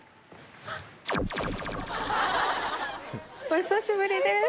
お久しぶりです。